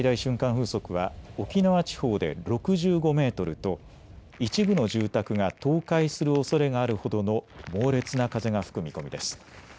風速は沖縄地方で６５メートルと一部の住宅が倒壊するおそれがあるほどの猛烈な風が吹く見込みです。